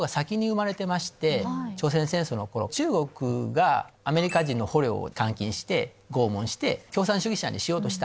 朝鮮戦争の頃中国がアメリカ人の捕虜を監禁して拷問して共産主義者にしようとした。